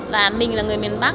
và mình là người miền bắc